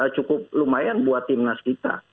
cukup lumayan buat tim nas kita